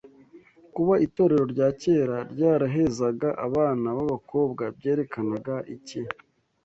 Kuba itorero rya kera ryarahezaga abana b’abakobwa byerekanaga iki